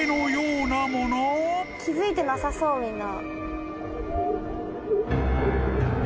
気付いてなさそうみんな。